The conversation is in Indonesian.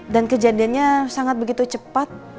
dan kejadiannya sangat begitu cepat